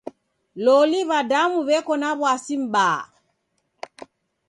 Loli w'adamu w'eko na w'asi m'baa.